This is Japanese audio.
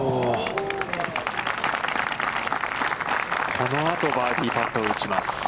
このあとバーディーパットを打ちます。